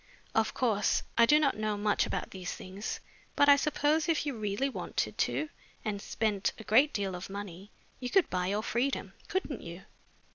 Of course, I do not know much about these things, but I suppose if you really wanted to, and spent a great deal of money, you could buy your freedom, couldn't you?"